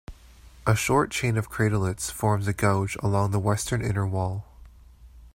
A short chain of craterlets forms a gouge along the western inner wall.